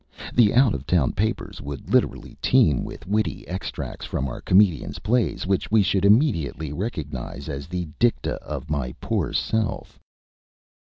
The out of town papers would literally teem with witty extracts from our comedian's plays, which we should immediately recognize as the dicta of my poor self."